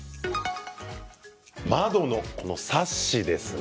窓のこのサッシですね